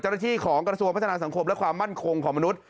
เจ้าหน้าที่ของกระทรวงพัฒนาสังคมและความมั่นคงของมนุษย